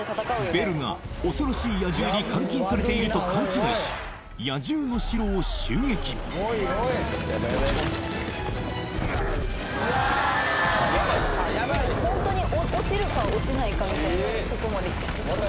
ベルが恐ろしい野獣に監禁されていると勘違いしガストン！